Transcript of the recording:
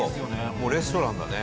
もうレストランだね。